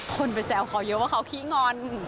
คนไปแซวเขาเยอะว่าเขาขี้งอน